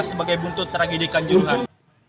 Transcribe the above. sebagai bentuk tragedikan juruhan